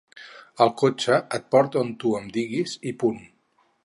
El cotxe et porta on tu em diguis, i punt.